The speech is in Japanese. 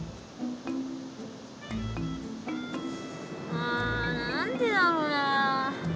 あ何でだろうな？